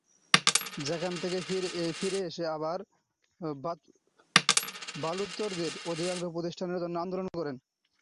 সেখান থেকে ফিরে এসে আবার বালুচদের অধিকার প্রতিষ্ঠার জন্য আন্দোলন করেন।